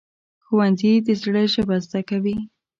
ښوونځی د زړه ژبه زده کوي